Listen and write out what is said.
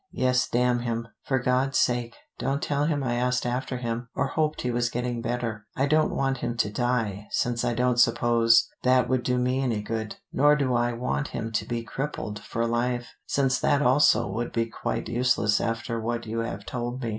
"Yes, damn him. For God's sake, don't tell him I asked after him, or hoped he was getting better. I don't want him to die, since I don't suppose that would do me any good, nor do I want him to be crippled for life, since that also would be quite useless after what you have told me.